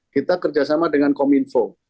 kita kerjasama dengan kominfo